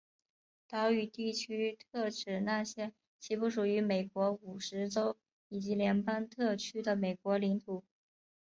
岛屿地区特指那些其不属于美国五十州以及联邦特区的美国领土。